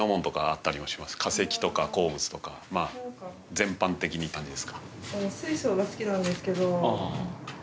全般的にって感じですか？